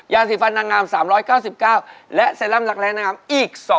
ยาสีฟันนางาม๓๙๙บาทและเซรั่มรักแรงนางามอีก๒